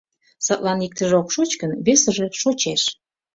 Садлан иктыже ок шоч гын, весыже шочеш.